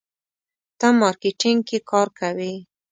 ته مارکیټینګ کې کار کوې.